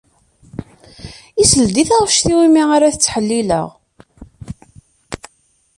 Isell-d i taɣect-iw mi arad t-ttḥellileɣ.